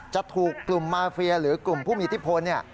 จะถูกกลุ่มมาเฟียหรือกลุ่มผู้มีอิทธิพล